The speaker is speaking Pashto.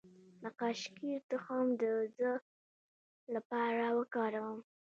د خاکشیر تخم د څه لپاره وکاروم؟